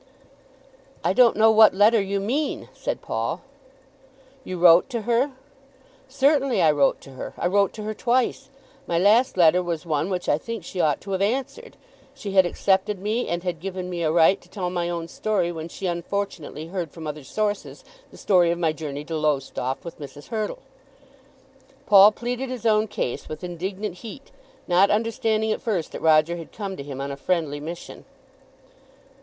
"I don't know what letter you mean," said Paul. "You wrote to her?" "Certainly I wrote to her. I wrote to her twice. My last letter was one which I think she ought to have answered. She had accepted me, and had given me a right to tell my own story when she unfortunately heard from other sources the story of my journey to Lowestoft with Mrs. Hurtle." Paul pleaded his own case with indignant heat, not understanding at first that Roger had come to him on a friendly mission.